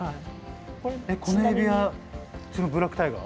このエビはブラックタイガー？